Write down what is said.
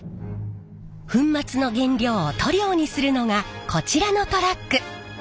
粉末の原料を塗料にするのがこちらのトラック。